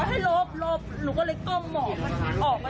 แล้วหนูก็คุยเสียงตอนแรกหนูไม่เห็นใจ